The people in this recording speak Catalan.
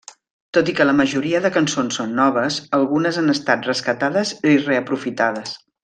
Tot i que la majoria de cançons són noves, algunes han estat rescatades i reaprofitades.